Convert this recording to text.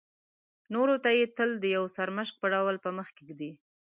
نورو ته یې تل د یو سرمشق په ډول په مخکې ږدي.